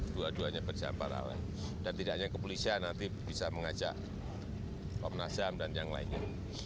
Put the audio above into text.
dua duanya berjalan paralel dan tidak hanya kepolisian nanti bisa mengajak komnas ham dan yang lainnya